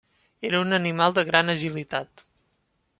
Era un animal de gran agilitat.